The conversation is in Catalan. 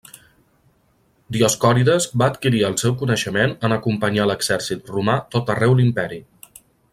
Dioscòrides va adquirir el seu coneixement en acompanyar l'exèrcit romà tot arreu l'imperi.